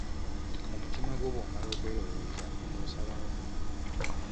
Mu mutima gwo bw'omala okwelowooza ng'osalawo.